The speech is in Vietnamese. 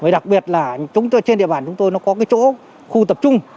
đặc biệt là trên địa bàn chúng tôi có chỗ khu tập trung